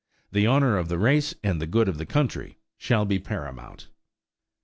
_The honor of the race and the good of the country shall be paramount.